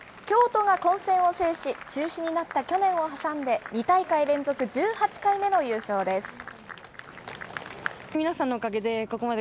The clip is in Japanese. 京都が混戦を制し、中止になった去年を挟んで、２大会連続１８回目の優勝です。